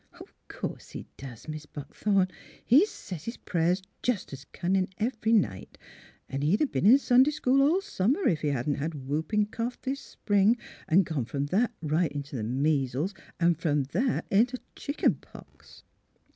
'' Course he does, Mis' Buckthorn. He says his prayers just as cunning ev'ry night; an' he'd 'a' b'en in Sunday school all summer if he hadn't had whooping cough this spring, an' gone from that right into measles, an' from that int' chicken pox.